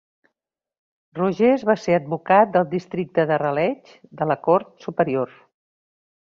Rogers va ser advocat del districte de Raleigh de la cort superior.